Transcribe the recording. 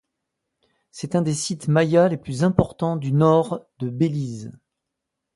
C'est un des sites mayas le plus important du nord du Belize.